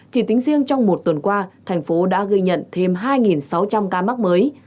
chỉ tính riêng trong một tuần qua thành phố đã ghi nhận thêm hai sáu trăm linh ca mắc mới